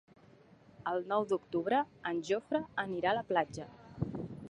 El nou d'octubre en Jofre anirà a la platja.